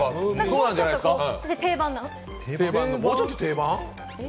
もうちょっと定番です。